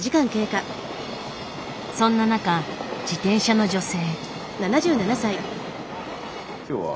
そんな中自転車の女性。